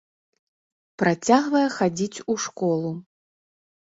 Працягвае хадзіць у школу.